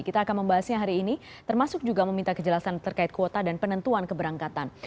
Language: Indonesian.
kita akan membahasnya hari ini termasuk juga meminta kejelasan terkait kuota dan penentuan keberangkatan